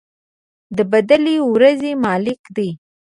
د بَدلې د ورځې مالك دی.